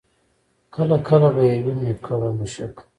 کله کله به یې ویني کړه مشوکه